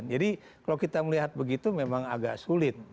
jadi kalau kita melihat begitu memang agak sulit